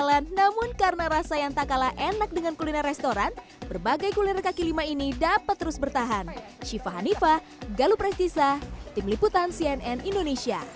namun karena rasa yang tak kalah enak dengan kuliner restoran berbagai kuliner kaki lima ini dapat terus bertahan